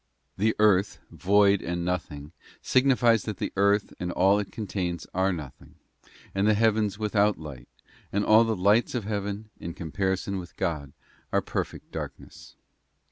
§ The earth ' void and nothing,' signifies that the earth and all it contains are nothing, and the heavens without light, that all the lights of heaven, in comparison with God, are perfect darkness.